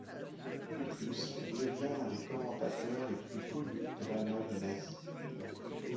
De plus, il devient l'un des commentateurs les plus connus de l'Allemagne nazie.